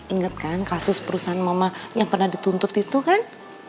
ingat kan kasus perusahaan mama yang pernah dituntut itu kan